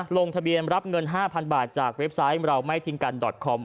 ลงทะเบียนรับเงิน๕๐๐บาทจากเว็บไซต์เราไม่ทิ้งกันดอดคอม